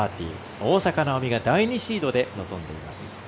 大坂なおみが第２シードで臨んでいます。